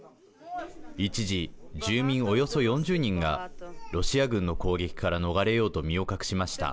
一時、住民およそ４０人がロシア軍の攻撃から逃れようと身を隠しました。